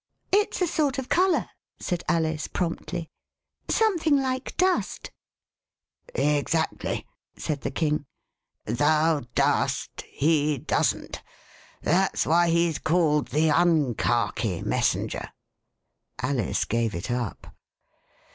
It s a sort of colour," said Alice promptly; some thing like dust/' Exactly," said the King ;thou dost — he doesn't. That's why he's called the Unkhaki Messenger." Alice gave it up.